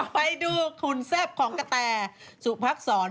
ไปดูขุนแซ่บของกะแตสุพักษร